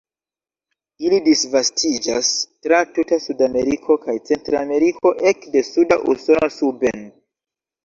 Ili disvastiĝas tra tuta Sudameriko kaj Centrameriko ekde suda Usono suben.